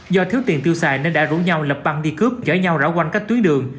do thiếu tiền tiêu xài nên đã rủ nhau lập băng đi cướp chở nhau rão quanh các tuyến đường